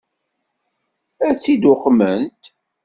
Ad tt-id-uqment?